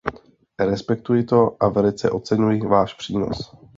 Respektuji to a velice oceňuji váš přínos.